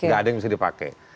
gak ada yang bisa dipakai